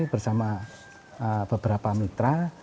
bersama beberapa mitra